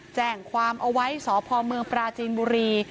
แจ้งความเอาไว้สพเมืองปราจีนบุรี